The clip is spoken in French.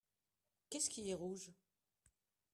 Qu'est-ce qui est rouge ?